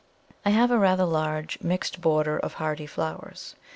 I have a rather large "mixed border of hardy flowers."